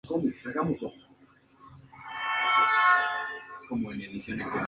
El partido se disputó en el Providence Park en Portland, Oregón.